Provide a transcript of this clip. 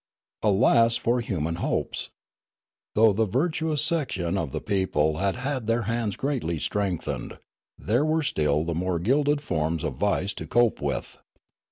Alas for human hopes ! Though the virtuous section of the people had had their hands greatly strengthened, there were still tbe more gilded forms of vice to cope with.